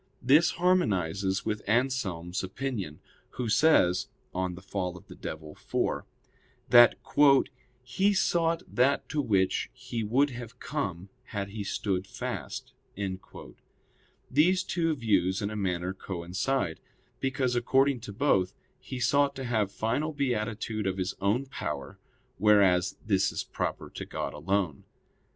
This harmonizes with Anselm's opinion, who says [*De casu diaboli, iv.] that "he sought that to which he would have come had he stood fast." These two views in a manner coincide; because according to both, he sought to have final beatitude of his own power, whereas this is proper to God alone.